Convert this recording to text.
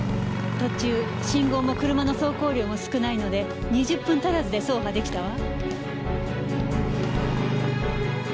途中信号も車の走行量も少ないので２０分足らずで走破出来たわ。